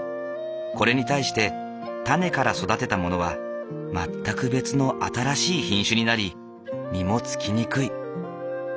これに対して種から育てたものは全く別の新しい品種になり実もつきにくい。